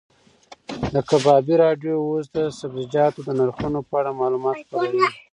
د کبابي راډیو اوس د سبزیجاتو د نرخونو په اړه معلومات خپروي.